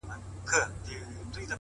مثبت ذهن پر حل لارو تمرکز کوي’